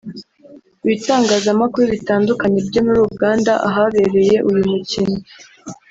Ibitangazamakuru bitandukanye byo muri Uganda ahabereye uyu mukino